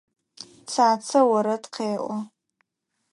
Цацэ орэд къеӏо.